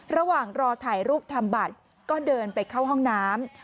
ระหว่างรอถ่ายรูปทำบัตรก็เดินไปเข้าห้องน้ำ